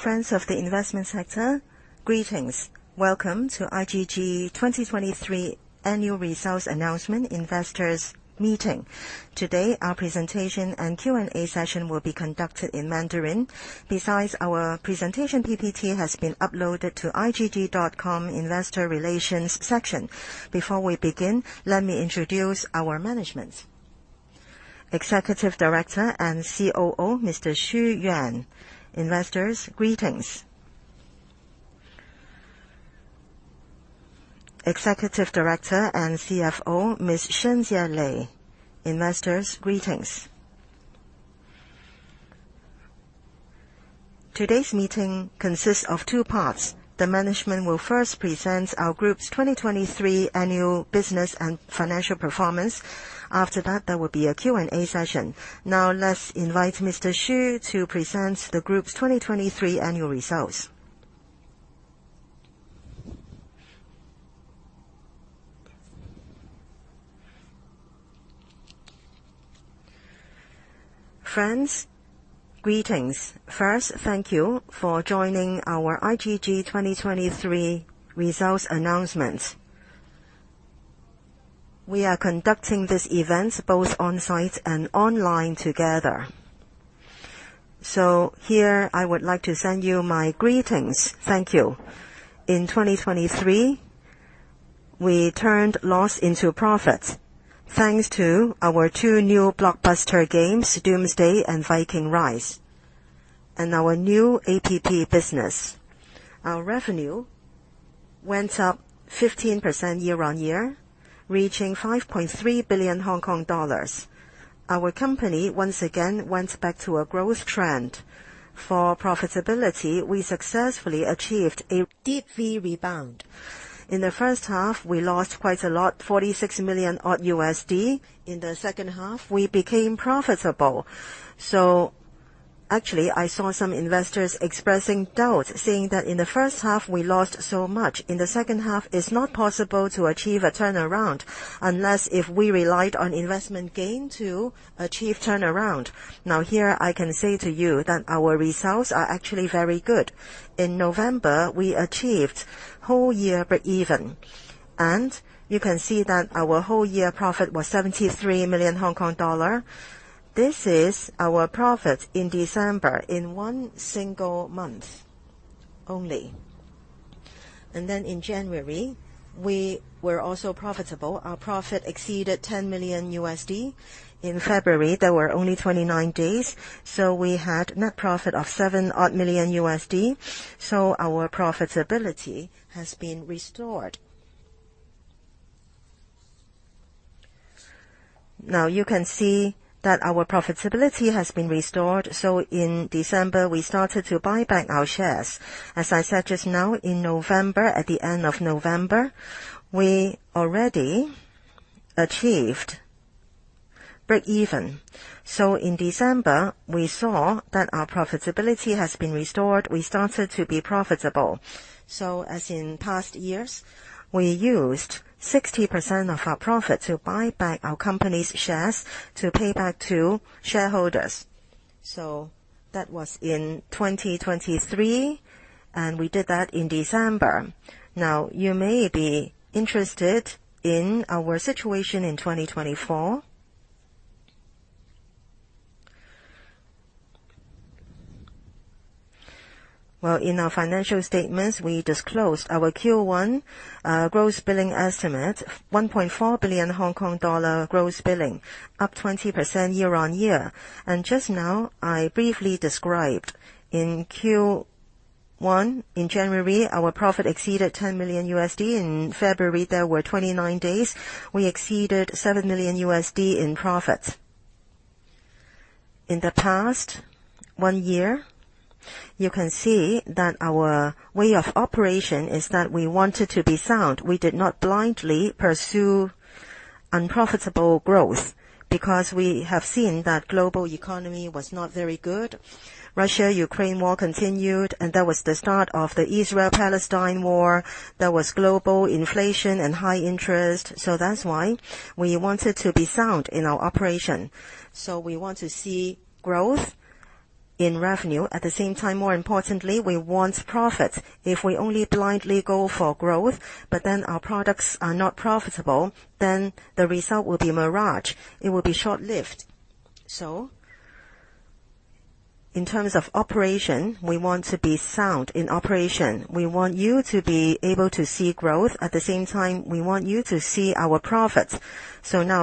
Friends of the investment sector, greetings. Welcome to IGG 2023 annual results announcement Investors Meeting. Today, our presentation and Q&A session will be conducted in Mandarin. Besides, our presentation PPT has been uploaded to igg.com investor relations section. Before we begin, let me introduce our management. Executive Director and COO, Mr. Xu Yuan. Investors, greetings. Executive Director and CFO, Ms. Shenjie Lei. Investors, greetings. Today's meeting consists of two parts. The management will first present our group's 2023 annual business and financial performance. After that, there will be a Q&A session. Let's invite Mr. Xu to present the group's 2023 annual results. Friends, greetings. First, thank you for joining our IGG 2023 results announcement. We are conducting this event both on-site and online together. Here, I would like to send you my greetings. Thank you. In 2023, we turned loss into profit, thanks to our two new blockbuster games, "Doomsday: Last Survivors" and "Viking Rise," and our new APP business. Our revenue went up 15% year-on-year, reaching 5.3 billion Hong Kong dollars. Our company, once again, went back to a growth trend. For profitability, we successfully achieved a deep V rebound. In the first half, we lost quite a lot, $46 million odd. In the second half, we became profitable. Actually, I saw some investors expressing doubt, saying that in the first half we lost so much. In the second half, it's not possible to achieve a turnaround, unless if we relied on investment gain to achieve turnaround. Here, I can say to you that our results are actually very good. In November, we achieved whole year breakeven, and you can see that our whole year profit was 73 million Hong Kong dollar. This is our profit in December in one single month only. In January, we were also profitable. Our profit exceeded $10 million. In February, there were only 29 days, we had net profit of $7 million odd, our profitability has been restored. You can see that our profitability has been restored, in December, we started to buy back our shares. As I said just now, in November, at the end of November, we already achieved breakeven. In December, we saw that our profitability has been restored. We started to be profitable. As in past years, we used 60% of our profit to buy back our company's shares to pay back to shareholders. That was in 2023, and we did that in December. You may be interested in our situation in 2024. In our financial statements, we disclosed our Q1 gross billing estimate, 1.4 billion Hong Kong dollar gross billing, up 20% year-on-year. Just now, I briefly described in Q1, in January, our profit exceeded $10 million. In February, there were 29 days. We exceeded $7 million in profit. In the past one year, you can see that our way of operation is that we wanted to be sound. We did not blindly pursue unprofitable growth because we have seen that global economy was not very good. Russia-Ukraine War continued, and that was the start of the Israel-Palestine War. There was global inflation and high interest. That's why we wanted to be sound in our operation. We want to see growth in revenue. At the same time, more importantly, we want profit. If we only blindly go for growth, our products are not profitable, the result will be a mirage. It will be short-lived. In terms of operation, we want to be sound in operation. We want you to be able to see growth. At the same time, we want you to see our profit.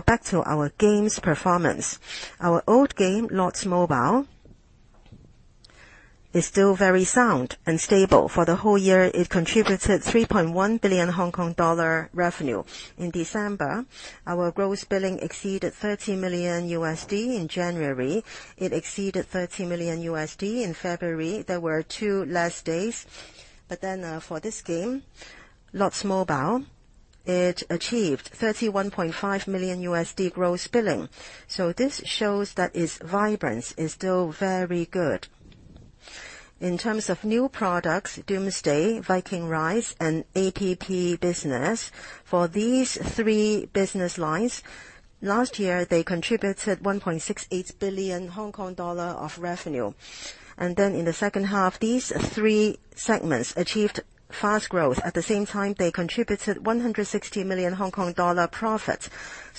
Back to our games performance. Our old game, Lords Mobile, is still very sound and stable. For the whole year, it contributed 3.1 billion Hong Kong dollar revenue. In December, our gross billing exceeded $30 million. In January, it exceeded $30 million. In February, there were 2 less days. For this game, Lords Mobile, it achieved $31.5 million gross billing. This shows that its vibrance is still very good. In terms of new products, Doomsday, Viking Rise, and APP business, for these three business lines, last year, they contributed 1.68 billion Hong Kong dollar of revenue. In the second half, these three segments achieved fast growth. At the same time, they contributed 160 million Hong Kong dollar profit.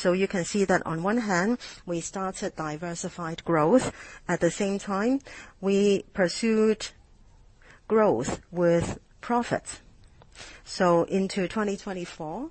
You can see that on one hand, we started diversified growth. At the same time, we pursued growth with profit. Into 2024,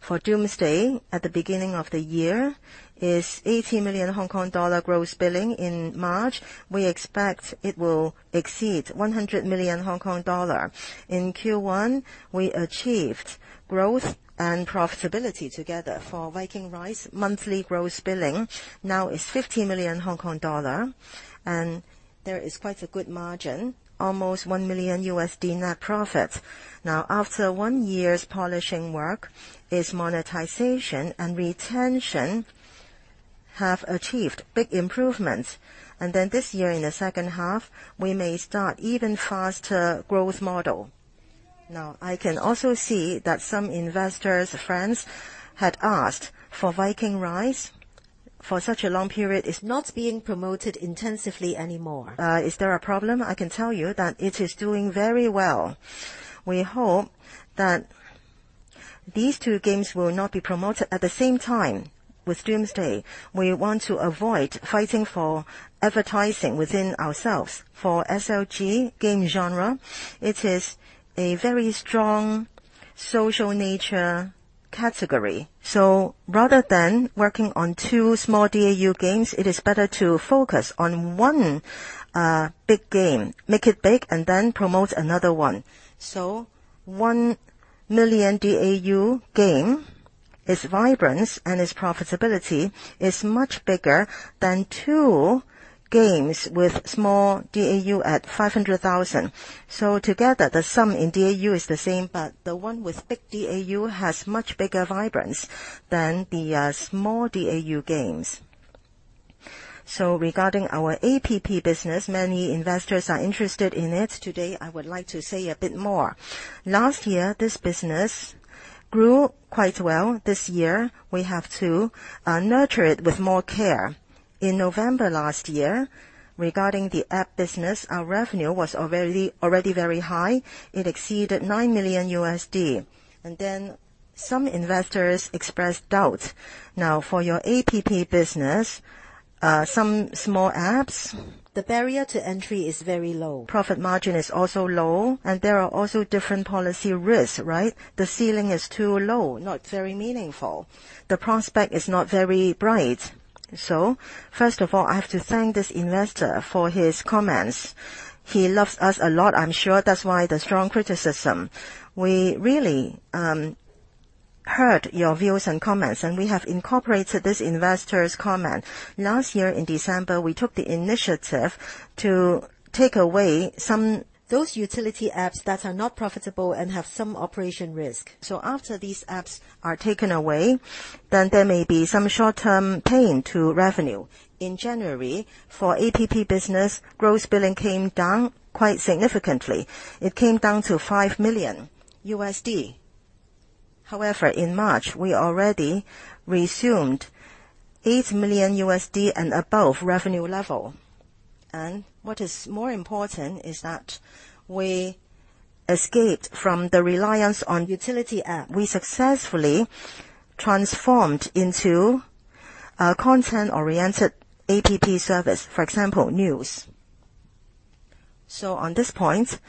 for Doomsday, at the beginning of the year is 80 million Hong Kong dollar gross billing. In March, we expect it will exceed 100 million Hong Kong dollar. In Q1, we achieved growth and profitability together. For Viking Rise, monthly gross billing now is 50 million Hong Kong dollar, and there is quite a good margin, almost $1 million net profit. After 1 year's polishing work, its monetization and retention have achieved big improvements. This year, in the second half, we may start even faster growth model. I can also see that some investors, friends, had asked for Viking Rise, for such a long period, is not being promoted intensively anymore. Is there a problem? I can tell you that it is doing very well. We hope that these 2 games will not be promoted at the same time with Doomsday. We want to avoid fighting for advertising within ourselves. For SLG game genre, it is a very strong social nature category. Rather than working on 2 small DAU games, it is better to focus on 1 big game, make it big, and then promote another one. 1 million DAU game, its vibrance and its profitability is much bigger than 2 games with small DAU at 500,000. Together, the sum in DAU is the same, the one with big DAU has much bigger vibrance than the small DAU games. Regarding our APP business, many investors are interested in it. Today, I would like to say a bit more. Last year, this business grew quite well. This year, we have to nurture it with more care. In November last year, regarding the APP business, our revenue was already very high. It exceeded $9 million. Some investors expressed doubt. For your APP business, some small apps, the barrier to entry is very low. Profit margin is also low, and there are also different policy risks, right? The ceiling is too low, not very meaningful. The prospect is not very bright. First of all, I have to thank this investor for his comments. He loves us a lot, I'm sure. That's why the strong criticism. We really heard your views and comments, we have incorporated this investor's comment. Last year, in December, we took the initiative to take away those utility apps that are not profitable and have some operation risk. After these apps are taken away, there may be some short-term pain to revenue. In January, for APP business, gross billing came down quite significantly. It came down to $5 million. However, in March, we already resumed $8 million and above revenue level. What is more important is that we escaped from the reliance on utility app. We successfully transformed into a content-oriented APP service, for example, news. On this point,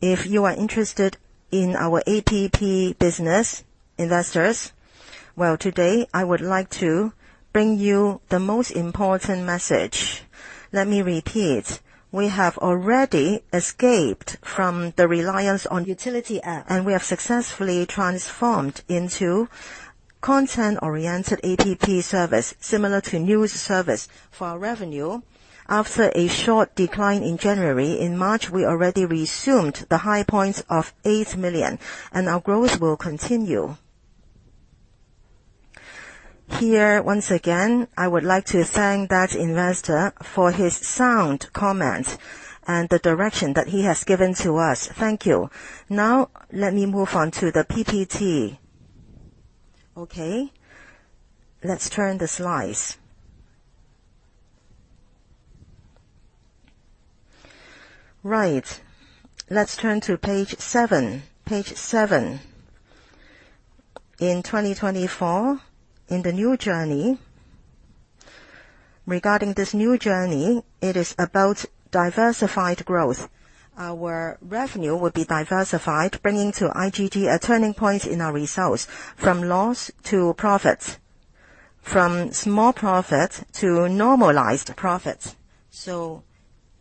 if you are interested in our APP business, investors, well, today, I would like to bring you the most important message. Let me repeat. We have already escaped from the reliance on utility app, we have successfully transformed into content-oriented APP service, similar to news service for our revenue. After a short decline in January, in March, we already resumed the high points of $8 million, our growth will continue. Here, once again, I would like to thank that investor for his sound comment and the direction that he has given to us. Thank you. Let me move on to the PPT. Let's turn the slides. Let's turn to page seven. In 2024, in the new journey, regarding this new journey, it is about diversified growth. Our revenue will be diversified, bringing to IGG a turning point in our results from loss to profits, from small profits to normalized profits.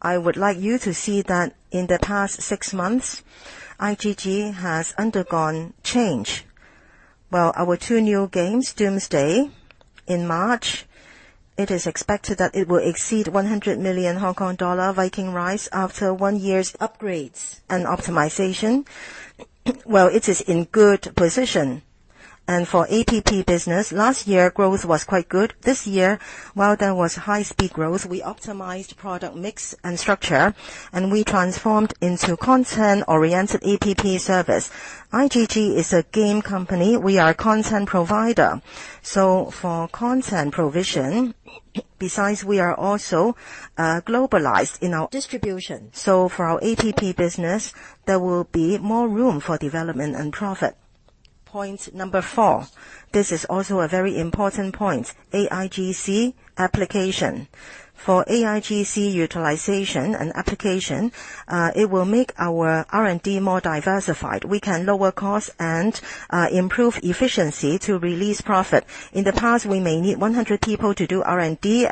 I would like you to see that in the past six months, IGG has undergone change. Well, our two new games, Doomsday in March, it is expected that it will exceed 100 million Hong Kong dollar. Viking Rise, after one year's upgrades and optimization, well, it is in good position. For APP business, last year, growth was quite good. This year, while there was high-speed growth, we optimized product mix and structure, we transformed into content-oriented APP service. IGG is a game company. We are a content provider. For content provision, besides, we are also globalized in our distribution. For our APP business, there will be more room for development and profit. Point number four, this is also a very important point. AIGC application. For AIGC utilization and application, it will make our R&D more diversified. We can lower cost and improve efficiency to release profit. In the past, we may need 100 people to do R&D,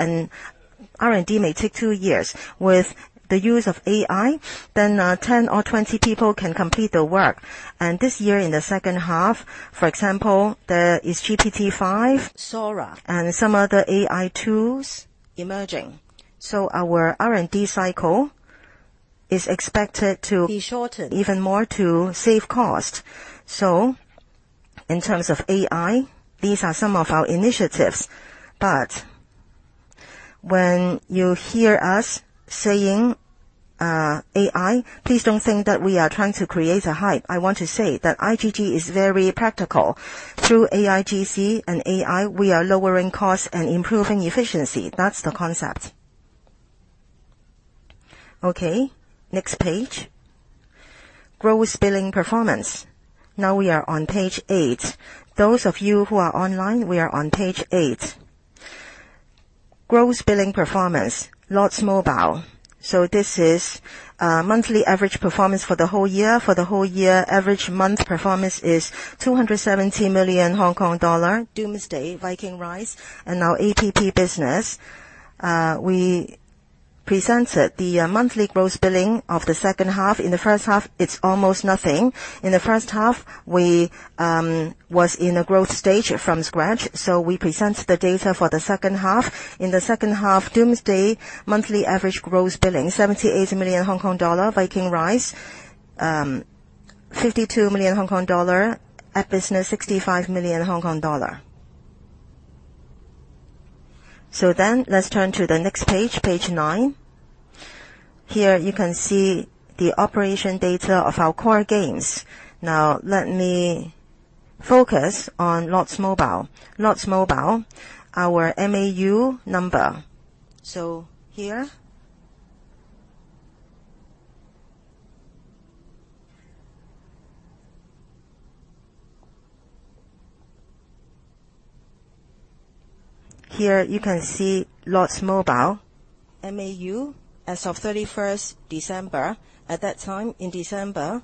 R&D may take two years. With the use of AI, 10 or 20 people can complete the work. This year in the second half, for example, there is GPT-5, Sora, and some other AI tools emerging. Our R&D cycle is expected to be shortened even more to save cost. In terms of AI, these are some of our initiatives. When you hear us saying AI, please don't think that we are trying to create a hype. I want to say that IGG is very practical. Through AIGC and AI, we are lowering cost and improving efficiency. That's the concept. Okay, next page. Gross billing performance. We are on page eight. Those of you who are online, we are on page eight. Gross billing performance, Lords Mobile. This is monthly average performance for the whole year. For the whole year, average month performance is 270 million Hong Kong dollar. Doomsday: Last Survivors, Viking Rise, and our APP business. We presented the monthly gross billing of the second half. In the first half, it's almost nothing. In the first half, we was in a growth stage from scratch, we present the data for the second half. In the second half, Doomsday: Last Survivors, monthly average gross billing, 78 million Hong Kong dollar. Viking Rise, 52 million Hong Kong dollar. APP business, HKD 65 million. Let's turn to the next page nine. Here you can see the operation data of our core games. Let me focus on Lords Mobile. Lords Mobile, our MAU number. Here you can see Lords Mobile, MAU as of 31st December. At that time in December,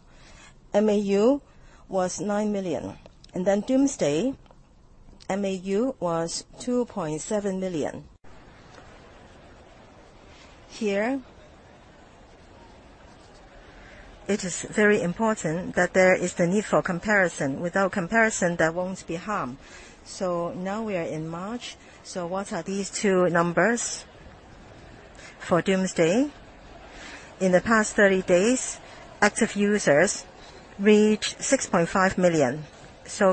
MAU was 9 million, Doomsday: Last Survivors, MAU was 2.7 million. Here, it is very important that there is the need for comparison. Without comparison, there won't be harm. We are in March, what are these two numbers? For Doomsday: Last Survivors, in the past 30 days, active users reached 6.5 million.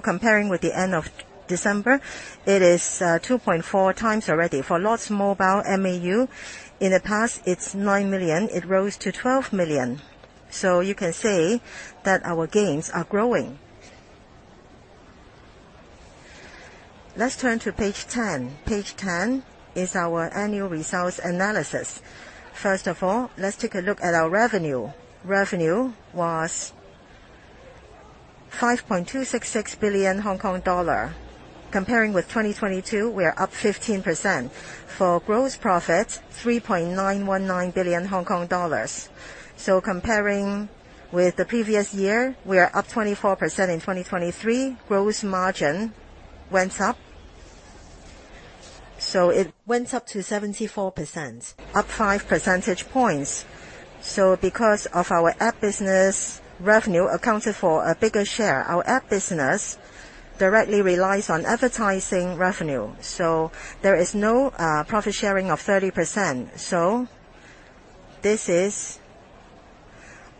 Comparing with the end of December, it is 2.4 times already. For Lords Mobile MAU, in the past it's 9 million, it rose to 12 million. You can say that our games are growing. Let's turn to page 10. Page 10 is our annual results analysis. First of all, let's take a look at our revenue. Revenue was 5.266 billion Hong Kong dollar. Comparing with 2022, we are up 15%. For gross profit, 3.919 billion Hong Kong dollars. Comparing with the previous year, we are up 24% in 2023. Gross margin went up. It went up to 74%, up 5 percentage points. Because of our APP business, revenue accounted for a bigger share. Our APP business directly relies on advertising revenue, there is no profit sharing of 30%. This is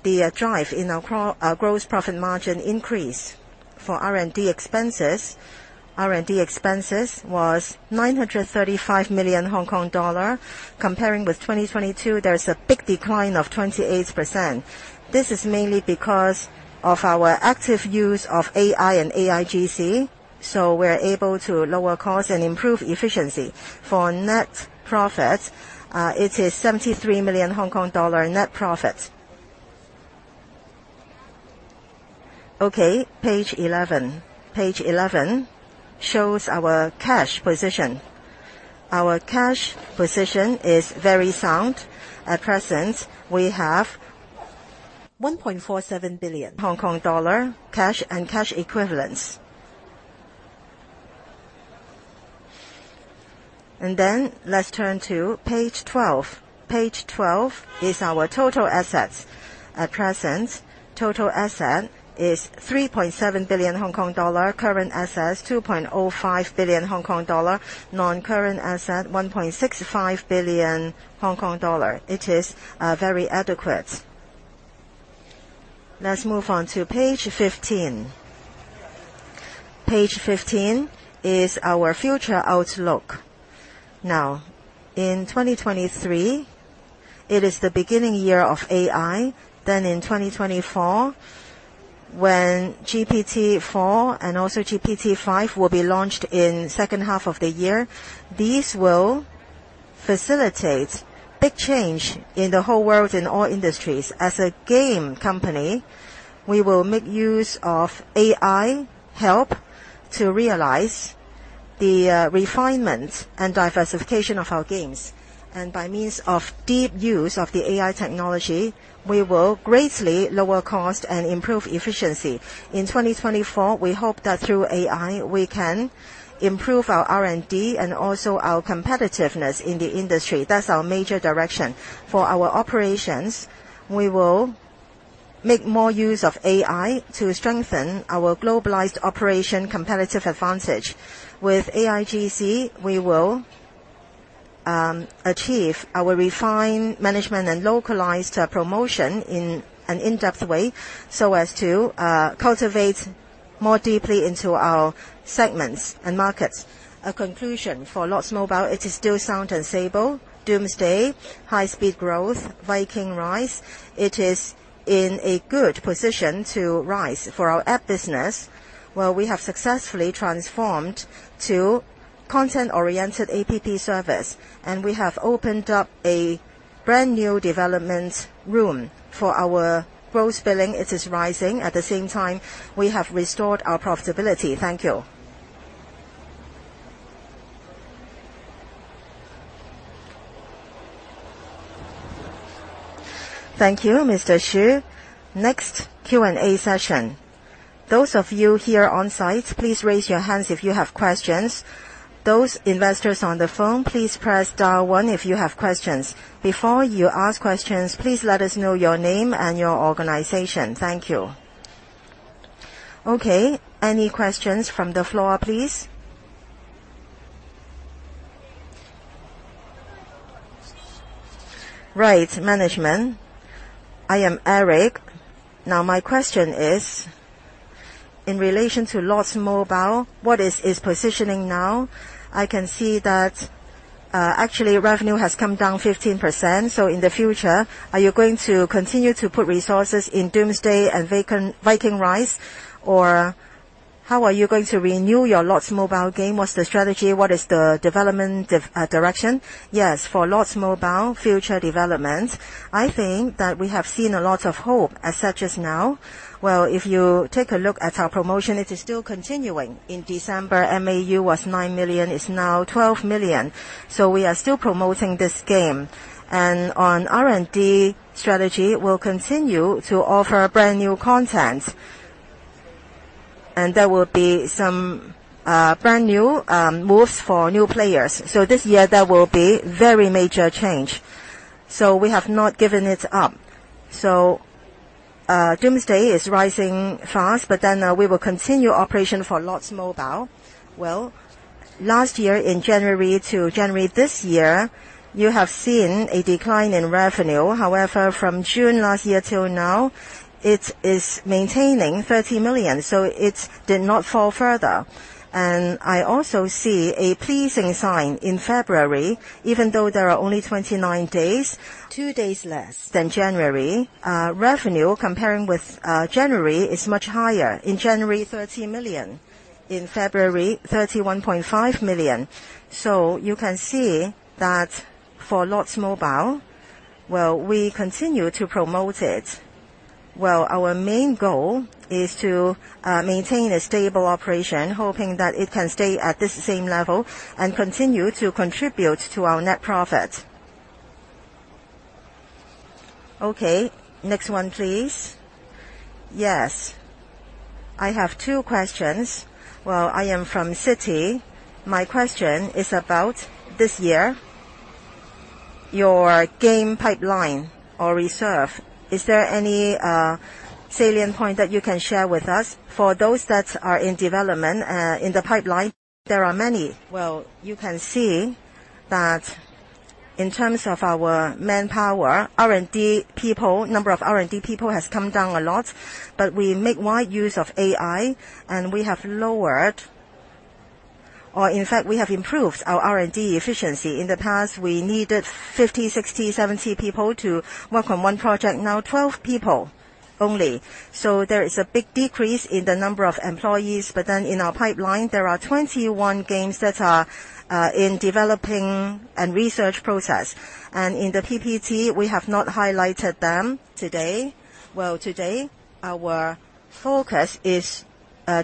the drive in our gross profit margin increase. For R&D expenses, R&D expenses was 935 million Hong Kong dollar. Comparing with 2022, there is a big decline of 28%. This is mainly because of our active use of AI and AIGC, we're able to lower cost and improve efficiency. For net profit, it is 73 million Hong Kong dollar net profit. Page 11. Page 11 shows our cash position. Our cash position is very sound. At present, we have 1.47 billion Hong Kong dollar cash and cash equivalents. Let's turn to page 12. Page 12 is our total assets. At present, total asset is 3.7 billion Hong Kong dollar. Current assets, 2.05 billion Hong Kong dollar. Non-current asset, 1.65 billion Hong Kong dollar. It is very adequate. Let's move on to page 15. Page 15 is our future outlook. In 2023, it is the beginning year of AI. In 2024, when GPT-4 and also GPT-5 will be launched in second half of the year, these will facilitate big change in the whole world, in all industries. As a game company, we will make use of AI help to realize the refinement and diversification of our games. By means of deep use of the AI technology, we will greatly lower cost and improve efficiency. In 2024, we hope that through AI, we can improve our R&D and also our competitiveness in the industry. That's our major direction. For our operations, we will make more use of AI to strengthen our globalized operation competitive advantage. With AIGC, we will achieve our refined management and localized promotion in an in-depth way, so as to cultivate more deeply into our segments and markets. A conclusion for Lords Mobile, it is still sound and stable. Doomsday: Last Survivors, high-speed growth, Viking Rise, it is in a good position to rise. For our app business, while we have successfully transformed to content-oriented app service, and we have opened up a brand-new development room. For our gross billing, it is rising. At the same time, we have restored our profitability. Thank you. Thank you, Mr. Xu. Next Q&A session. Those of you here on-site, please raise your hands if you have questions. Those investors on the phone, please press dial one if you have questions. Before you ask questions, please let us know your name and your organization. Thank you. Any questions from the floor, please? Right, management. I am Eric. My question is, in relation to Lords Mobile, what is its positioning now? I can see that actually revenue has come down 15%. In the future, are you going to continue to put resources in Doomsday: Last Survivors and Viking Rise? How are you going to renew your Lords Mobile game? What's the strategy? What is the development direction? Yes. For Lords Mobile future development, I think that we have seen a lot of hope as such as now. If you take a look at our promotion, it is still continuing. In December, MAU was 9 million, it's now 12 million. We are still promoting this game. On R&D strategy, we'll continue to offer brand-new content. There will be some brand-new moves for new players. This year there will be very major change. We have not given it up. Doomsday: Last Survivors is rising fast, but then we will continue operation for Lords Mobile. Last year in January to January this year, you have seen a decline in revenue. However, from June last year till now, it is maintaining $30 million. It did not fall further. I also see a pleasing sign in February, even though there are only 29 days, two days less than January, revenue comparing with January is much higher. In January, $30 million. In February, $31.5 million. You can see that for Lords Mobile, we continue to promote it. Our main goal is to maintain a stable operation, hoping that it can stay at the same level and continue to contribute to our net profit. Next one please. Yes. I have two questions. I am from Citi. My question is about this year, your game pipeline or reserve. Is there any salient point that you can share with us? For those that are in development, in the pipeline, there are many. You can see that in terms of our manpower, R&D people, number of R&D people has come down a lot, we make wide use of AI, we have improved our R&D efficiency. In the past, we needed 50, 60, 70 people to work on one project. Now 12 people only. There is a big decrease in the number of employees. In our pipeline, there are 21 games that are in developing and research process. In the PPT, we have not highlighted them today. Today our focus is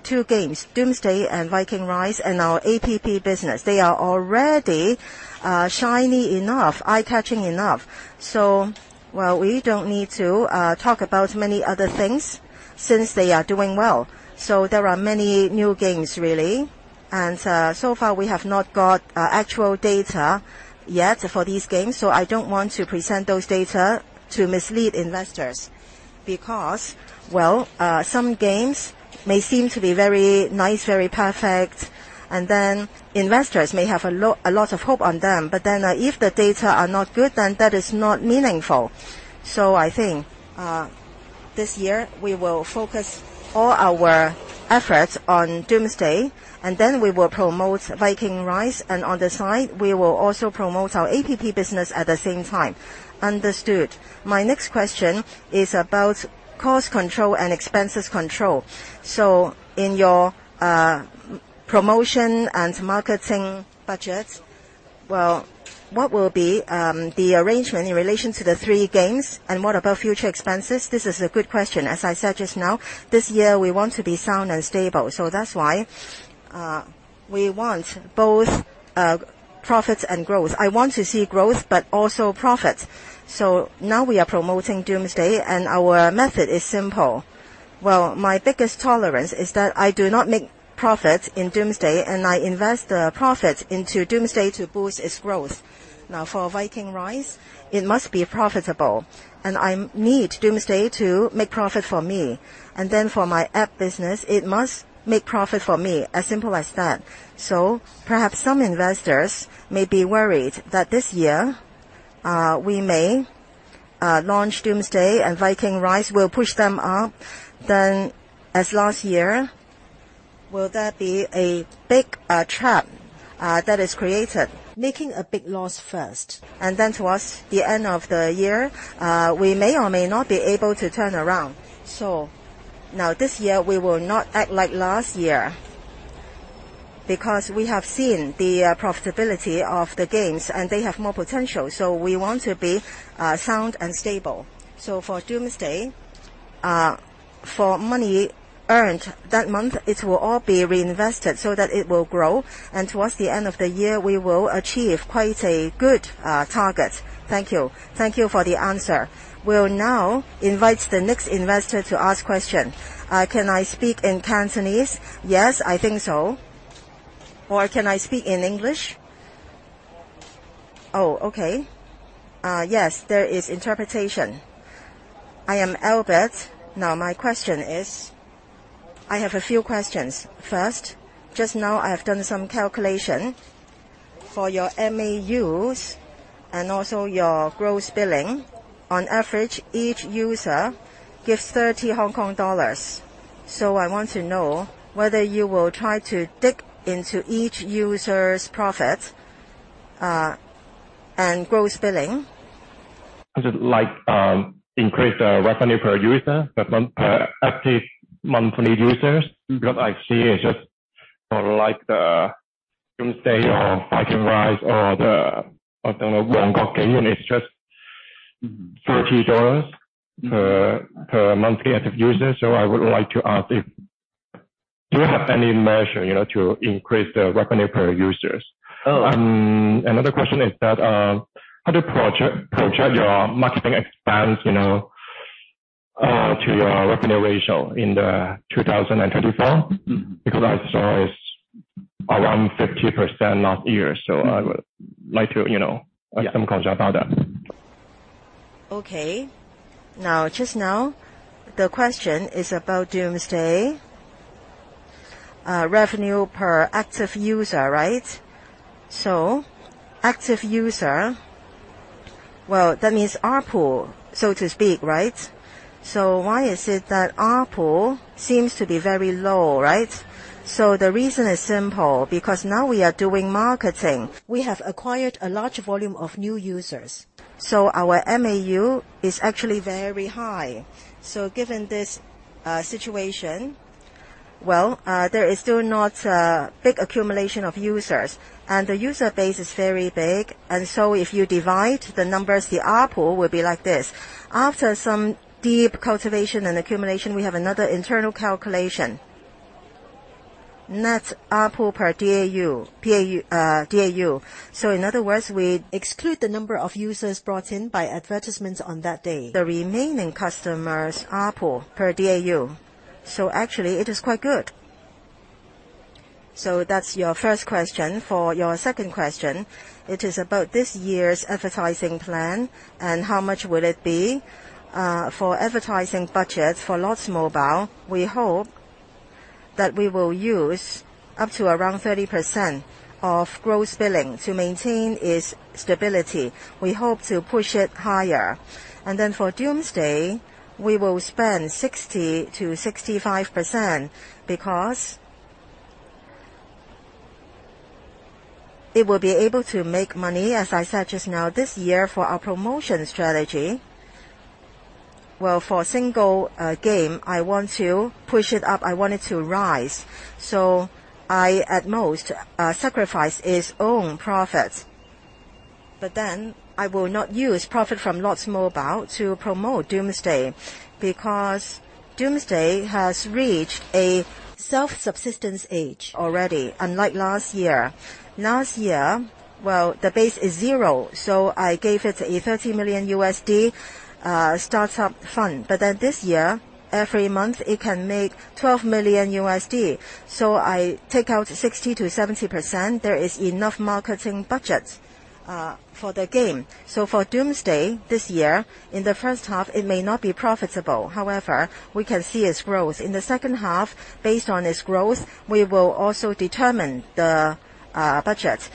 two games, Doomsday and Viking Rise, and our app business. They are already shiny enough, eye-catching enough. We don't need to talk about many other things since they are doing well. There are many new games really. So far, we have not got actual data yet for these games, so I don't want to present those data to mislead investors. Because some games may seem to be very nice, very perfect, and then investors may have a lot of hope on them. If the data are not good, then that is not meaningful. I think, this year we will focus all our efforts on Doomsday, and then we will promote Viking Rise, and on the side, we will also promote our app business at the same time. Understood. My next question is about cost control and expenses control. In your promotion and marketing budget, what will be the arrangement in relation to the three games, and what about future expenses? This is a good question. As I said just now, this year we want to be sound and stable. That's why we want both profits and growth. I want to see growth, but also profit. Now we are promoting Doomsday, and our method is simple. My biggest tolerance is that I do not make profits in Doomsday, and I invest the profits into Doomsday to boost its growth. For Viking Rise, it must be profitable, and I need Doomsday to make profit for me. For my app business, it must make profit for me, as simple as that. Perhaps some investors may be worried that this year, we may launch Doomsday and Viking Rise will push them up. As last year, will there be a big trap that is created, making a big loss first, and then towards the end of the year, we may or may not be able to turn around. This year, we will not act like last year, because we have seen the profitability of the games and they have more potential, so we want to be sound and stable. For Doomsday, for money earned that month, it will all be reinvested so that it will grow, and towards the end of the year, we will achieve quite a good target. Thank you. Thank you for the answer. We'll now invite the next investor to ask question. Can I speak in Cantonese? Yes, I think so. Or can I speak in English? Oh, okay. Yes, there is interpretation. I am Albert. My question is I have a few questions. First, just now I have done some calculation for your MAUs and also your gross billing. On average, each user gives 30 Hong Kong dollars. I want to know whether you will try to dig into each user's profit and gross billing. Just like, increase the revenue per user, per active monthly users, because I see it's just for the Doomsday or Viking Rise or the, I don't know, it's just $30 per monthly active user. I would like to ask if, do you have any measure to increase the revenue per users? Oh. Another question is that, how to project your marketing expense, to your revenue ratio in the 2024? Because I saw it's around 50% last year. Yeah I would like to ask some question about that. Okay. Just now, the question is about Doomsday revenue per active user, right? Active user, well, that means ARPU, so to speak, right? Why is it that ARPU seems to be very low, right? The reason is simple: because now we are doing marketing, we have acquired a large volume of new users, so our MAU is actually very high. Given this situation, well, there is still not a big accumulation of users, and the user base is very big, if you divide the numbers, the ARPU will be like this. After some deep cultivation and accumulation, we have another internal calculation. Net ARPU per DAU. In other words, we exclude the number of users brought in by advertisements on that day. The remaining customers, ARPU per DAU. Actually it is quite good. That's your first question. For your second question, it is about this year's advertising plan and how much will it be. For advertising budget for Lords Mobile, we hope that we will use up to around 30% of gross billing to maintain its stability. We hope to push it higher. For Doomsday, we will spend 60%-65%, because it will be able to make money, as I said just now, this year for our promotion strategy. Well, for a single game, I want to push it up. I want it to rise. I, at most, sacrifice its own profit. I will not use profit from Lords Mobile to promote Doomsday, because Doomsday has reached a self-subsistence age already, unlike last year. Last year, well, the base is zero, I gave it a $30 million startup fund. This year, every month, it can make $12 million. I take out 60%-70%, there is enough marketing budget for the game. For Doomsday, this year, in the first half, it may not be profitable. However, we can see its growth. In the second half, based on its growth, we will also determine the budget.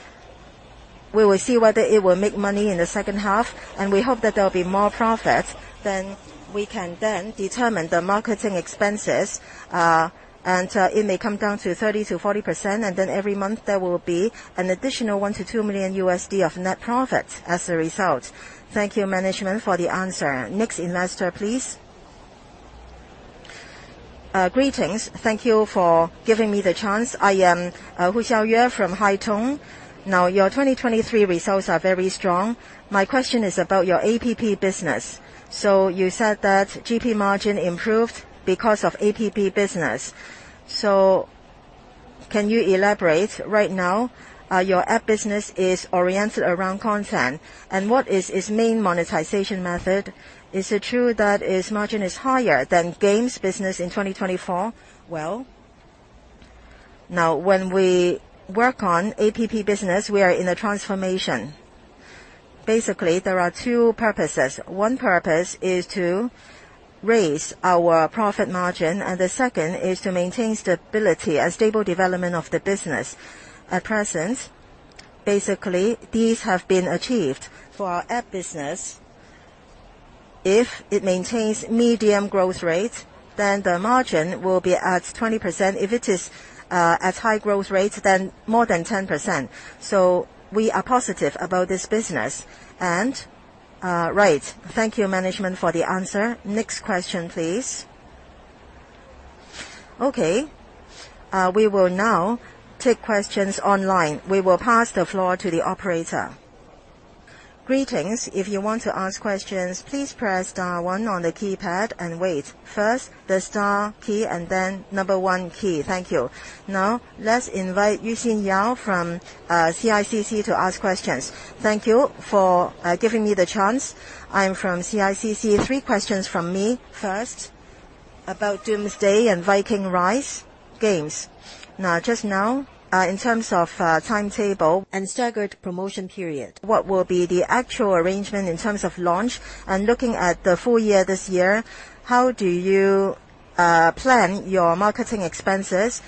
We will see whether it will make money in the second half, and we hope that there will be more profit. We can then determine the marketing expenses, and it may come down to 30%-40%, every month there will be an additional $1 million-$2 million of net profit as a result. Thank you, management, for the answer. Next investor, please. Greetings. Thank you for giving me the chance. I am Hu Xiaoyue from Haitong. Your 2023 results are very strong. My question is about your app business. You said that GP margin improved because of app business. Can you elaborate? Right now, your app business is oriented around content, and what is its main monetization method? Is it true that its margin is higher than games business in 2024? Well, now when we work on app business, we are in a transformation. Basically, there are two purposes. One purpose is to raise our profit margin, and the second is to maintain stability and stable development of the business. At present, basically, these have been achieved. For our app business, if it maintains medium growth rate, then the margin will be at 20%. If it is at high growth rates, then more than 10%. We are positive about this business. Right. Thank you, management, for the answer. Next question, please. Okay. We will now take questions online. We will pass the floor to the operator. Greetings. If you want to ask questions, please press star one on the keypad and wait. First, the star key and then number one key. Thank you. Now, let's invite Yuxin Yao from CICC to ask questions. Thank you for giving me the chance. I am from CICC. Three questions from me. First, about "Doomsday" and "Viking Rise" games. Just now, in terms of timetable and staggered promotion period, what will be the actual arrangement in terms of launch and looking at the full year this year, how do you plan your marketing expenses?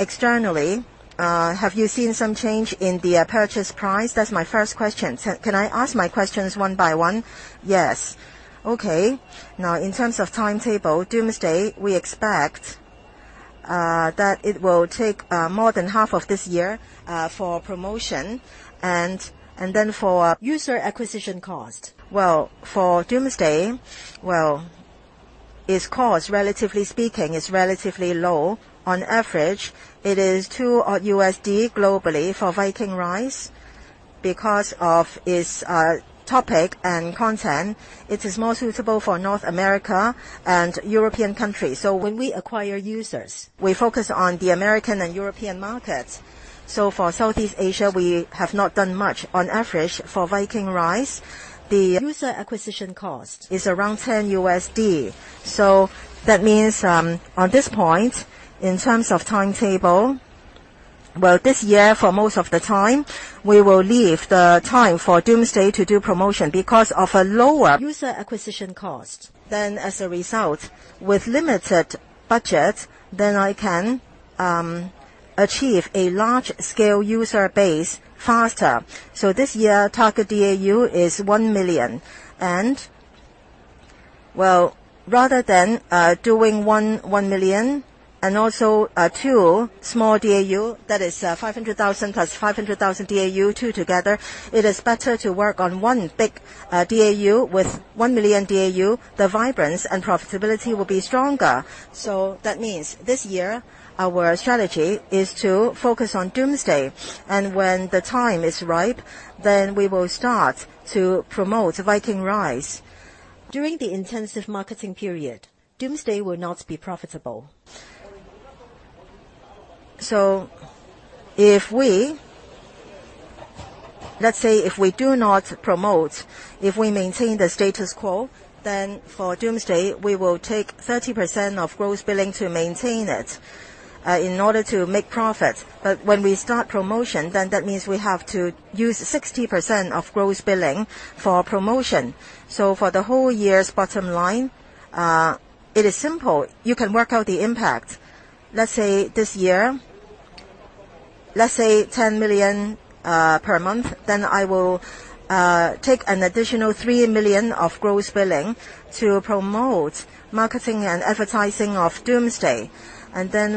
Externally, have you seen some change in the purchase price? That is my first question. Can I ask my questions one by one? Yes. Okay. In terms of timetable, "Doomsday", we expect that it will take more than half of this year for promotion. User acquisition cost. For "Doomsday", its cost, relatively speaking, is relatively low. On average, it is $2 globally for "Viking Rise" because of its topic and content. It is more suitable for North America and European countries. When we acquire users, we focus on the American and European markets. For Southeast Asia, we have not done much. On average, for "Viking Rise", the user acquisition cost is around $10. That means, on this point, in terms of timetable, this year, for most of the time, we will leave the time for "Doomsday" to do promotion because of a lower user acquisition cost. As a result, with limited budget, I can achieve a large-scale user base faster. This year, target DAU is 1 million. Rather than doing 1 million and also two small DAU, that is 500,000 plus 500,000 DAU, two together, it is better to work on one big DAU. With 1 million DAU, the vibrance and profitability will be stronger. That means this year our strategy is to focus on "Doomsday", when the time is ripe, we will start to promote "Viking Rise". During the intensive marketing period, "Doomsday" will not be profitable. If we Let's say, if we do not promote, if we maintain the status quo, for "Doomsday", we will take 30% of gross billing to maintain it, in order to make profit. When we start promotion, that means we have to use 60% of gross billing for promotion. For the whole year's bottom line, it is simple. You can work out the impact. Let's say this year, $10 million per month, I will take an additional $3 million of gross billing to promote marketing and advertising of "Doomsday".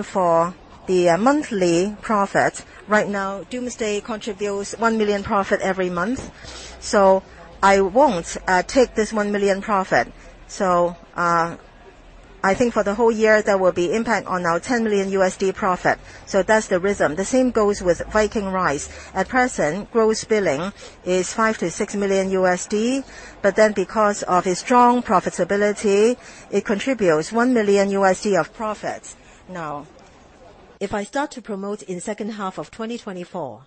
For the monthly profit, right now, "Doomsday" contributes $1 million profit every month. I will not take this $1 million profit. I think for the whole year, there will be impact on our $10 million profit. That is the rhythm. The same goes with "Viking Rise". At present, gross billing is $5 million-$6 million, because of its strong profitability, it contributes $1 million of profit. If I start to promote in second half of 2024,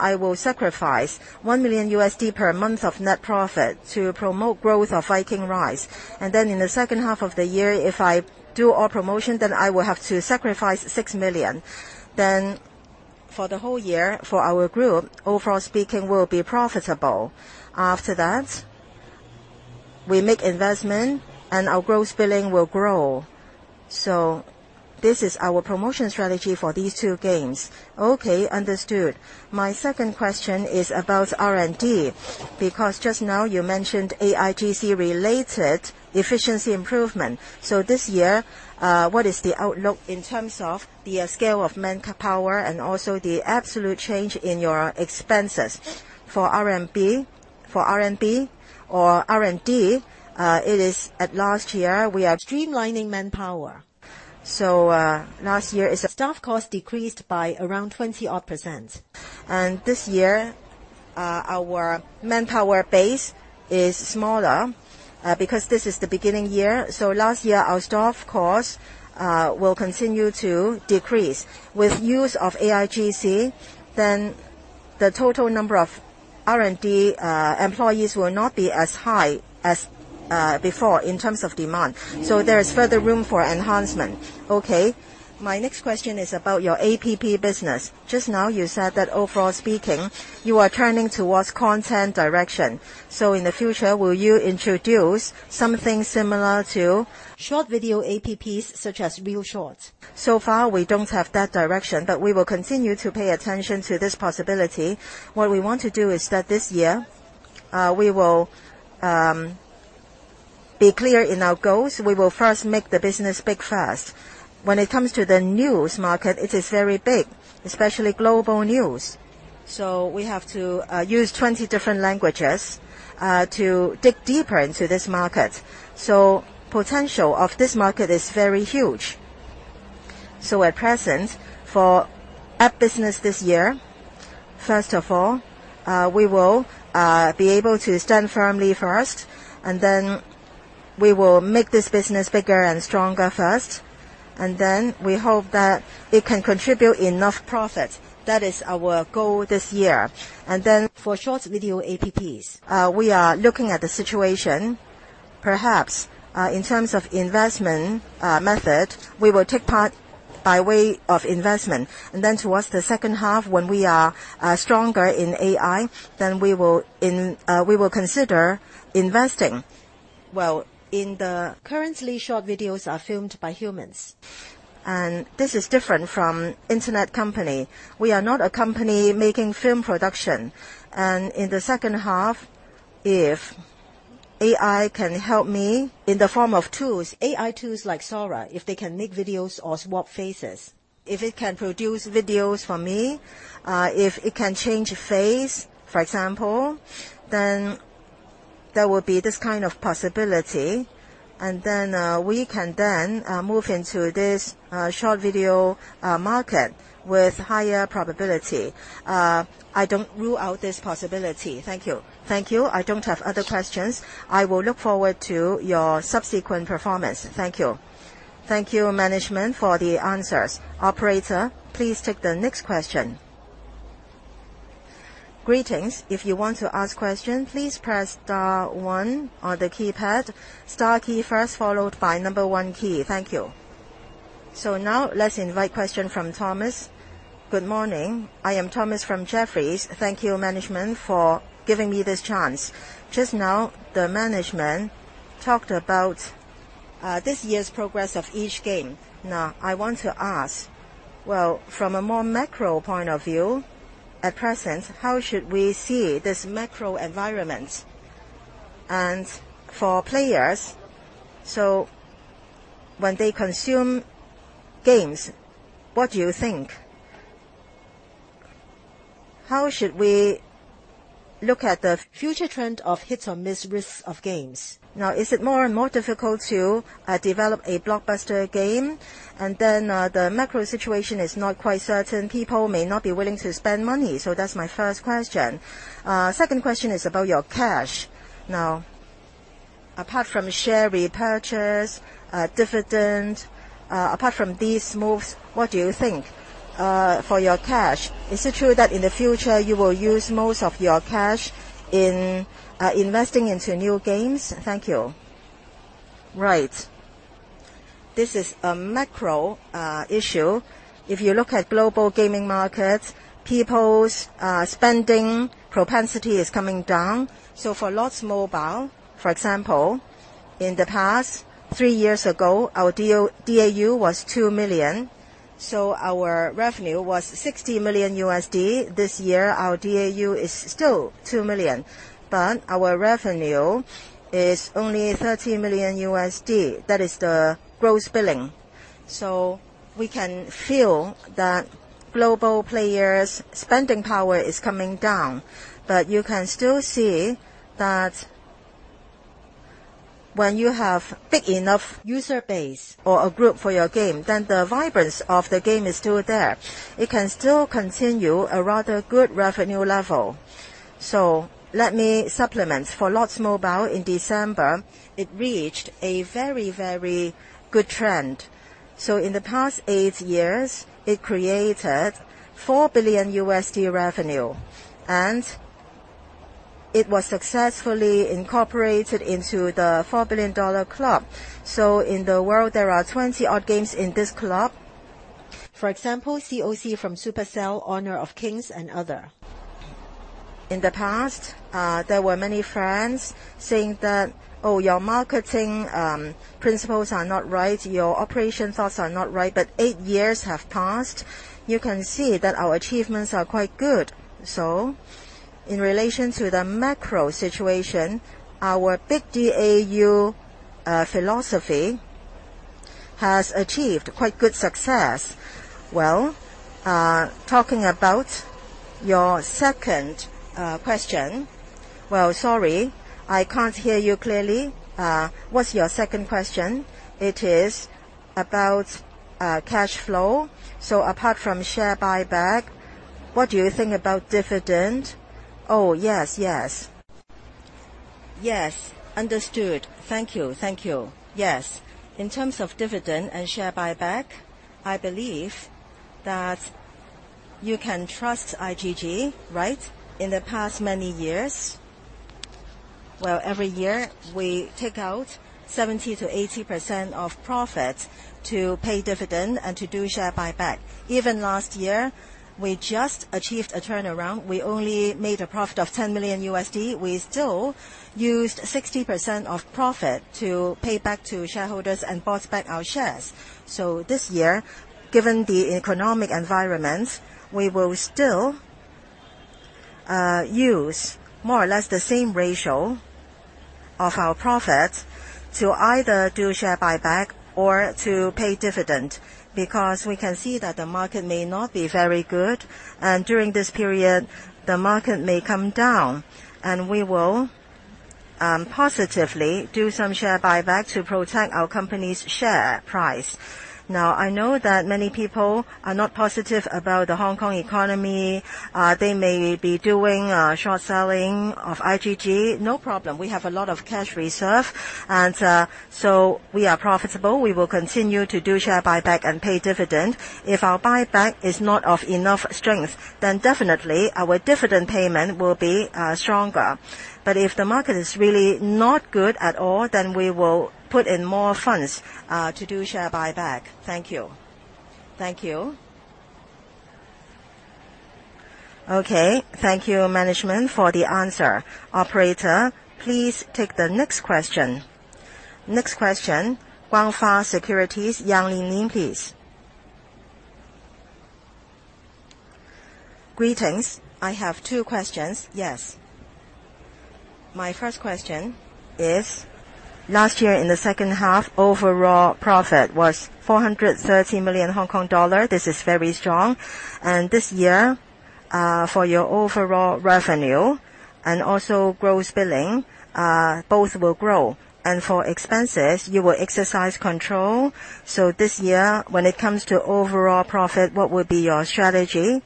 I will sacrifice $1 million per month of net profit to promote growth of "Viking Rise". In the second half of the year, if I do all promotion, I will have to sacrifice $6 million. For the whole year, for our group, overall speaking, we will be profitable. After that, we make investment, and our gross billing will grow. This is our promotion strategy for these two games. Okay. Understood. My second question is about R&D, because just now you mentioned AIGC-related efficiency improvement. This year, what is the outlook in terms of the scale of manpower and also the absolute change in your expenses for RMB? For R&D, it is at last year, we are streamlining manpower. Last year, staff cost decreased by around 20%. This year, our manpower base is smaller, because this is the beginning year. Last year, our staff cost will continue to decrease. With use of AIGC, the total number of R&D employees will not be as high as before in terms of demand. There is further room for enhancement. Okay. My next question is about your APP business. Just now, you said that overall speaking, you are trending towards content direction. In the future, will you introduce something similar to short video APPs such as ReelShort? Far, we don't have that direction, but we will continue to pay attention to this possibility. What we want to do is that this year, we will be clear in our goals. We will first make the business big fast. When it comes to the news market, it is very big, especially global news. We have to use 20 different languages to dig deeper into this market. Potential of this market is very huge. At present, for app business this year, first of all, we will be able to stand firmly first, and then we will make this business bigger and stronger first, and then we hope that it can contribute enough profit. That is our goal this year. For short video APPs, we are looking at the situation, perhaps, in terms of investment method, we will take part by way of investment. Towards the second half, when we are stronger in AI, then we will consider investing. Well, currently, short videos are filmed by humans. This is different from internet company. We are not a company making film production. In the second half, if AI can help me in the form of tools, AI tools like Sora, if they can make videos or swap faces. If it can produce videos for me, if it can change face, for example, then there will be this kind of possibility. We can then move into this short video market with higher probability. I don't rule out this possibility. Thank you. Thank you. I don't have other questions. I will look forward to your subsequent performance. Thank you. Thank you, management, for the answers. Operator, please take the next question. Greetings. If you want to ask question, please press star one on the keypad. Star key first, followed by number one key. Thank you. Now, let's invite question from Thomas. Good morning. I am Thomas from Jefferies. Thank you, management, for giving me this chance. Just now, the management talked about this year's progress of each game. I want to ask, from a more macro point of view, at present, how should we see this macro environment? For players, when they consume games, what do you think? How should we look at the future trend of hit or miss risks of games? Is it more and more difficult to develop a blockbuster game? The macro situation is not quite certain. People may not be willing to spend money. That's my first question. Second question is about your cash. Apart from share repurchase, dividend, apart from these moves, what do you think for your cash? Is it true that in the future, you will use most of your cash in investing into new games? Thank you. This is a macro issue. If you look at global gaming markets, people's spending propensity is coming down. For Lords Mobile, for example, in the past, 3 years ago, our DAU was 2 million. Our revenue was $60 million. This year, our DAU is still 2 million, but our revenue is only $30 million. That is the gross billing. We can feel that global players' spending power is coming down. You can still see that when you have big enough user base or a group for your game, then the vibrance of the game is still there. It can still continue a rather good revenue level. Let me supplement. For Lords Mobile, in December, it reached a very good trend. In the past 8 years, it created $4 billion revenue, and it was successfully incorporated into the $4 billion club. In the world, there are 20 odd games in this club. For example, COC from Supercell, Honor of Kings, and other. In the past, there were many friends saying that, "Oh, your marketing principles are not right. Your operation thoughts are not right." 8 years have passed. You can see that our achievements are quite good. In relation to the macro situation, our big DAU philosophy has achieved quite good success. Talking about your second question. Sorry, I can't hear you clearly. What's your second question? It is about cash flow. Apart from share buyback, what do you think about dividend? Understood. Thank you. In terms of dividend and share buyback, I believe that you can trust IGG, right? In the past many years, every year we take out 70%-80% of profit to pay dividend and to do share buyback. Even last year, we just achieved a turnaround. We only made a profit of $10 million. We still used 60% of profit to pay back to shareholders and bought back our shares. This year, given the economic environment, we will still use more or less the same ratio of our profit to either do share buyback or to pay dividend, because we can see that the market may not be very good. During this period, the market may come down, and we will positively do some share buyback to protect our company's share price. I know that many people are not positive about the Hong Kong economy. They may be doing short selling of IGG. No problem. We have a lot of cash reserve. We are profitable. We will continue to do share buyback and pay dividend. If our buyback is not of enough strength, then definitely our dividend payment will be stronger. If the market is really not good at all, then we will put in more funds, to do share buyback. Thank you. Thank you, management, for the answer. Operator, please take the next question. Next question, Guangfa Securities, Yang Linlin, please. Greetings. I have two questions. My first question is, last year in the second half, overall profit was 430 million Hong Kong dollar. This is very strong. This year, for your overall revenue and also gross billing, both will grow. For expenses, you will exercise control. This year, when it comes to overall profit, what will be your strategy?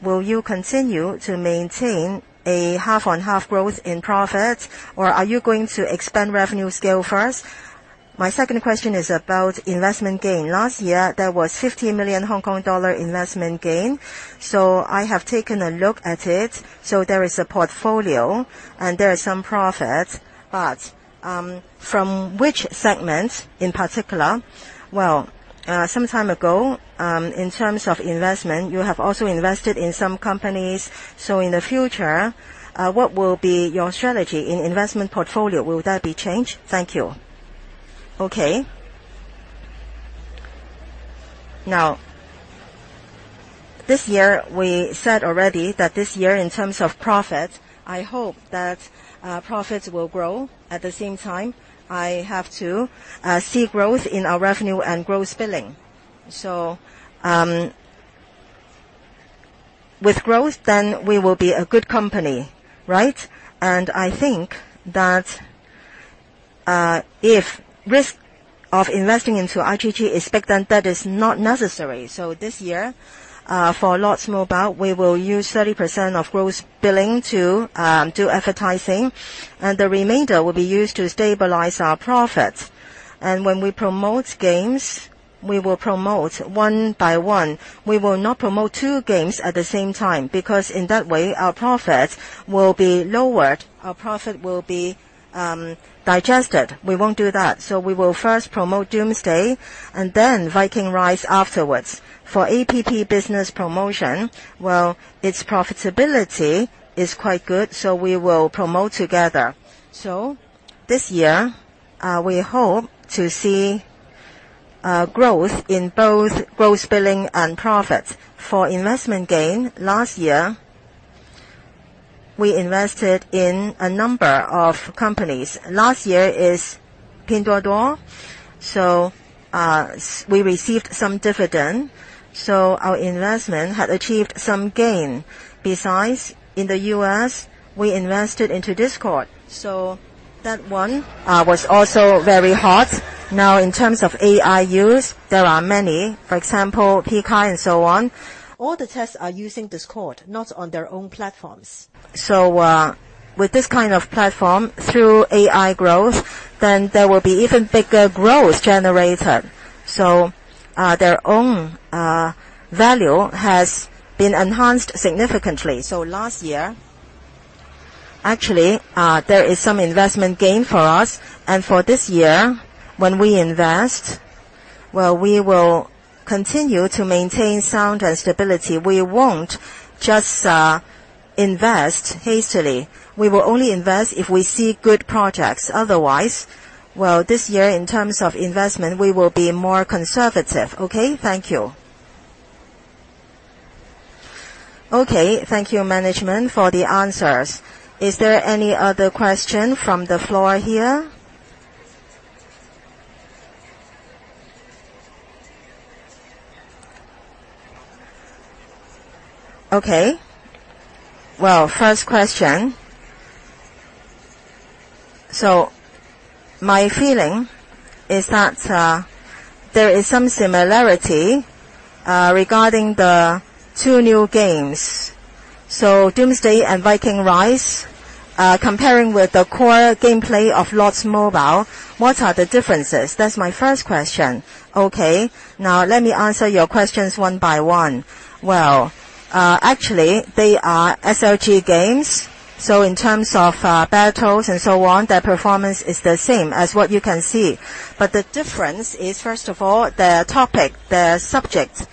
Will you continue to maintain a half-on-half growth in profit, or are you going to expand revenue scale first? My second question is about investment gain. Last year, there was 50 million Hong Kong dollar investment gain. I have taken a look at it. There is a portfolio and there is some profit, but from which segment in particular? Some time ago, in terms of investment, you have also invested in some companies. In the future, what will be your strategy in investment portfolio? Will that be changed? Thank you. This year, we said already that this year, in terms of profit, I hope that profits will grow. At the same time, I have to see growth in our revenue and gross billing. With growth, then we will be a good company, right? I think that if risk of investing into IGG is big, then that is not necessary. This year, for Lords Mobile, we will use 30% of gross billing to do advertising, and the remainder will be used to stabilize our profit. When we promote games, we will promote one by one. We will not promote two games at the same time, because in that way, our profit will be lowered, our profit will be digested. We won't do that. We will first promote Doomsday and then Viking Rise afterwards. For APP business promotion, its profitability is quite good, so we will promote together. This year, we hope to see growth in both gross billing and profit. For investment gain, last year, we invested in a number of companies. Last year is Pinduoduo. We received some dividend. Our investment had achieved some gain. Besides, in the U.S., we invested into Discord. That one was also very hot. In terms of AI use, there are many. For example, Pika and so on. All the tests are using Discord, not on their own platforms. With this kind of platform, through AI growth, then there will be even bigger growth generated. Their own value has been enhanced significantly. Last year, actually, there is some investment gain for us. For this year, when we invest, we will continue to maintain sound and stability. We won't just invest hastily. We will only invest if we see good projects. Otherwise, this year, in terms of investment, we will be more conservative. Okay, thank you. Okay, thank you management for the answers. Is there any other question from the floor here? First question. My feeling is that there is some similarity regarding the two new games. Doomsday and Viking Rise, comparing with the core gameplay of Lords Mobile, what are the differences? That's my first question. Let me answer your questions one by one. They are SLG games, in terms of battles and so on, their performance is the same as what you can see. The difference is, first of all, their topic, their subject.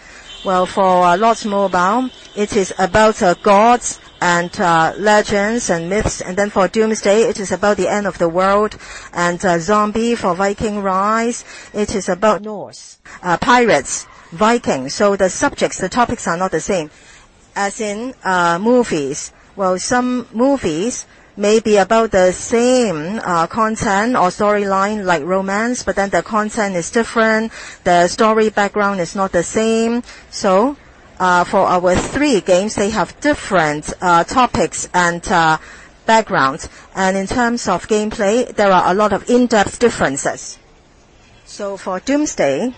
For Lords Mobile, it is about gods and legends and myths. For Doomsday, it is about the end of the world and zombie. For Viking Rise, it is about Norse, pirates, Vikings. The subjects, the topics are not the same, as in movies. Some movies may be about the same content or storyline, like romance, the content is different, the story background is not the same. For our three games, they have different topics and backgrounds, in terms of gameplay, there are a lot of in-depth differences. For Doomsday,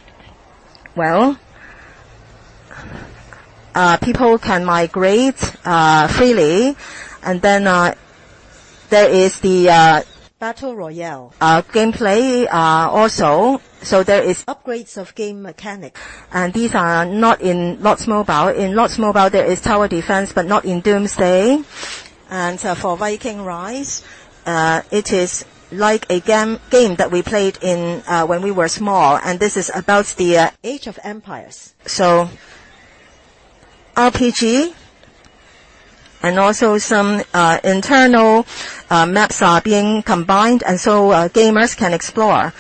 people can migrate freely, there is the battle royale gameplay also. There is upgrades of game mechanic, and these are not in Lords Mobile. In Lords Mobile, there is tower defense, but not in Doomsday. For Viking Rise, it is like a game that we played when we were small, and this is about the Age of Empires. RPG and also some internal maps are being combined, gamers can explore.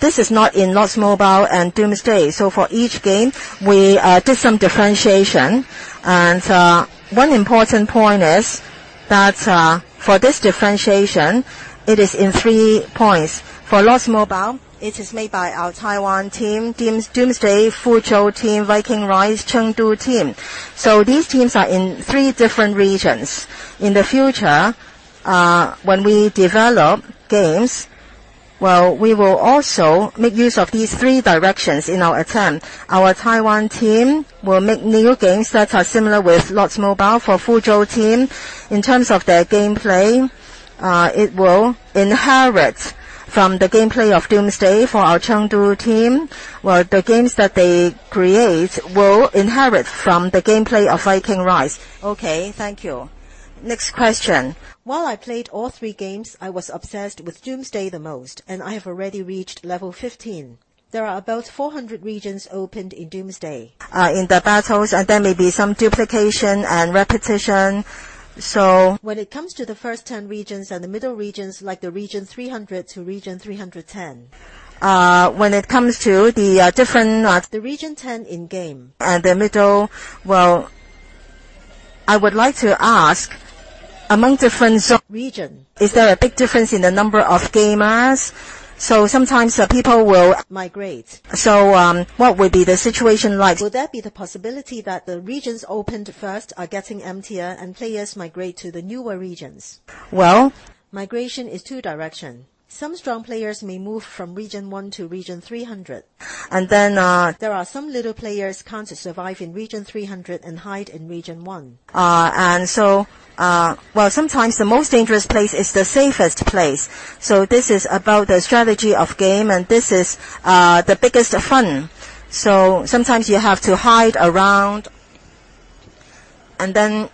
This is not in Lords Mobile and Doomsday. For each game, we did some differentiation, and one important point is that for this differentiation, it is in three points. For Lords Mobile, it is made by our Taiwan team; Doomsday, Fuzhou team; Viking Rise, Chengdu team. These teams are in three different regions. In the future, when we develop games, we will also make use of these three directions in our attempt. Our Taiwan team will make new games that are similar with Lords Mobile. For Fuzhou team, in terms of their gameplay, it will inherit from the gameplay of Doomsday. For our Chengdu team, the games that they create will inherit from the gameplay of Viking Rise. Thank you. Next question. While I played all three games, I was obsessed with Doomsday the most, and I have already reached level 15. There are about 400 regions opened in Doomsday. In the battles, there may be some duplication and repetition. When it comes to the first 10 regions and the middle regions, like the region 300 to region 310, when it comes to the The region 10 in game. The middle, I would like to ask, among different zone region, is there a big difference in the number of gamers? Sometimes people will migrate. What would be the situation like? Will there be the possibility that the regions opened first are getting emptier and players migrate to the newer regions? Migration is two direction. Some strong players may move from region 1 to region 300. There are some little players can't survive in region 300 and hide in region 1. Sometimes the most dangerous place is the safest place. This is about the strategy of game, and this is the biggest fun. Sometimes you have to hide around,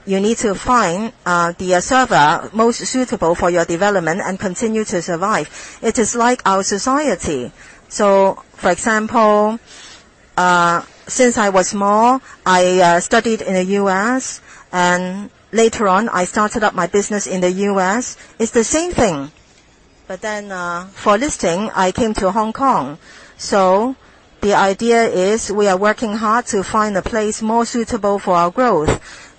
you need to find the server most suitable for your development and continue to survive. It is like our society. For example, since I was small, I studied in the U.S., and later on, I started up my business in the U.S. It's the same thing. For listing, I came to Hong Kong. The idea is we are working hard to find a place more suitable for our growth.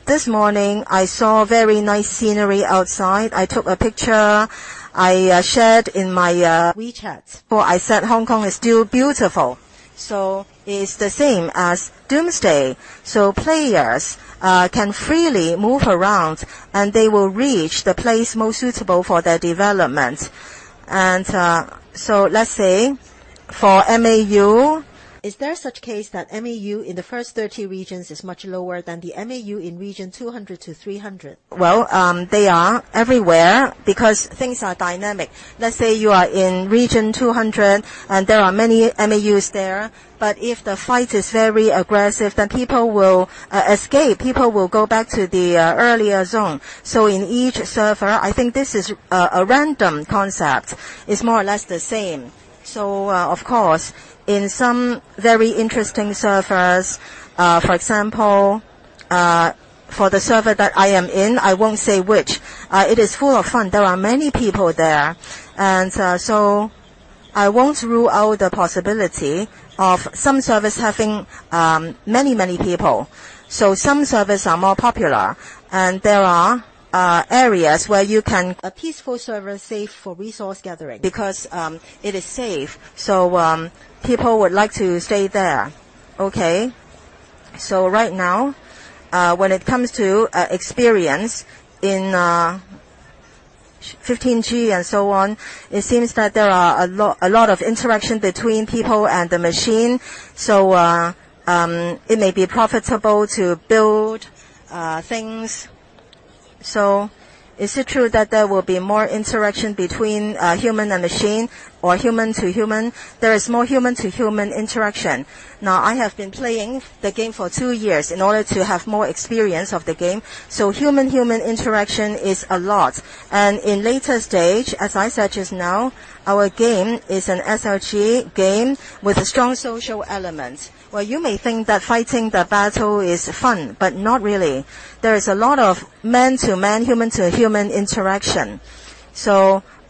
This morning, I saw very nice scenery outside. I took a picture, I shared in my WeChat. Well, I said Hong Kong is still beautiful. It's the same as Doomsday. Players can freely move around, and they will reach the place most suitable for their development. Let's say, for MAU- Is there such case that MAU in the first 30 regions is much lower than the MAU in region 200 to 300? Well, they are everywhere because things are dynamic. Let's say you are in region 200, and there are many MAUs there. If the fight is very aggressive, people will escape. People will go back to the earlier zone. In each server, I think this is a random concept. It's more or less the same. Of course, in some very interesting servers, for example, for the server that I am in, I won't say which, it is full of fun. There are many people there. I won't rule out the possibility of some servers having many people. Some servers are more popular, and there are areas where you can- A peaceful server safe for resource gathering. Because it is safe, people would like to stay there. Okay. Right now, when it comes to experience in 15G and so on, it seems that there are a lot of interaction between people and the machine. It may be profitable to build things. Is it true that there will be more interaction between human and machine or human to human? There is more human-to-human interaction. Now, I have been playing the game for two years in order to have more experience of the game. Human-human interaction is a lot, and in later stage, as I said just now, our game is an SLG game with a strong social element. Well, you may think that fighting the battle is fun, not really. There is a lot of man to man, human to human interaction.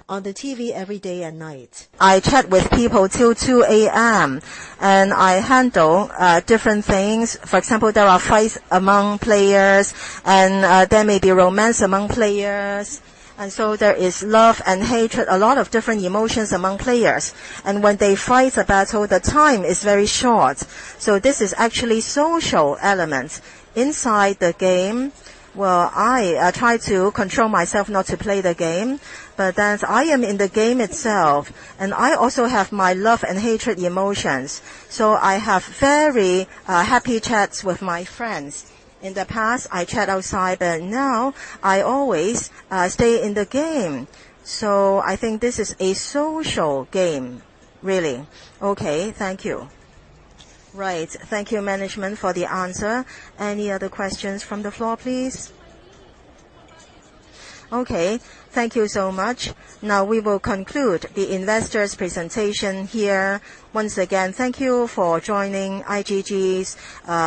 On the TV every day and night. I chat with people till 2:00 A.M. and I handle different things. For example, there are fights among players and there may be romance among players. There is love and hatred, a lot of different emotions among players. When they fight the battle, the time is very short. This is actually social elements inside the game. Well, I try to control myself not to play the game, as I am in the game itself, and I also have my love and hatred emotions. I have very happy chats with my friends. In the past, I chat outside, but now I always stay in the game. I think this is a social game, really. Okay. Thank you. Right. Thank you management for the answer. Any other questions from the floor, please? Okay. Thank you so much. Now we will conclude the investors presentation here. Once again, thank you for joining IGG's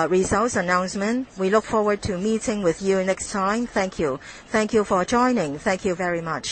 results announcement. We look forward to meeting with you next time. Thank you. Thank you for joining. Thank you very much.